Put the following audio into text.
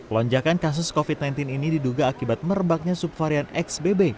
lonjakan kasus covid sembilan belas ini diduga akibat merebaknya subvarian xbb